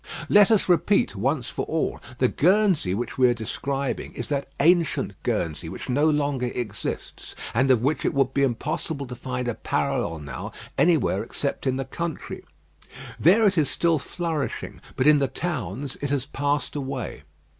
Let us repeat once for all, the Guernsey which we are describing is that ancient Guernsey which no longer exists, and of which it would be impossible to find a parallel now anywhere except in the country. There it is still flourishing, but in the towns it has passed away.